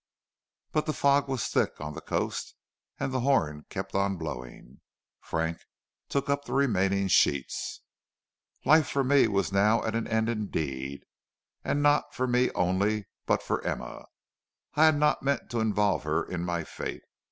But the fog was thick on the coast and the horn kept on blowing. Frank took up the remaining sheets. "Life for me was now at an end indeed, and not for me only, but for Emma. I had not meant to involve her in my fate.